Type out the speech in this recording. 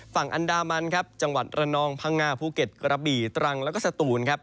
ฝั่งอันดามันจังหวัดระนองพังงาภูเก็ตกระบี่ตรังและสตูน